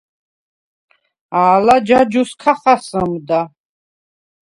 ალა ჯაჯუს ქა ხასჷმდა.